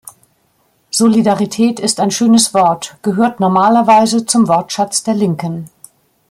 Solidarität ist ein schönes Wortgehört normalerweise zum Wortschatz der Linken.